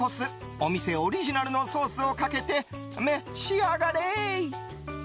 お店オリジナルのソースをかけて召し上がれ！